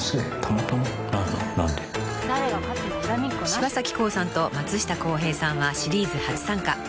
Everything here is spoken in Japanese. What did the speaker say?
［柴咲コウさんと松下洸平さんはシリーズ初参加］